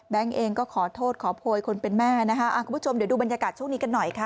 เองก็ขอโทษขอโพยคนเป็นแม่นะคะคุณผู้ชมเดี๋ยวดูบรรยากาศช่วงนี้กันหน่อยค่ะ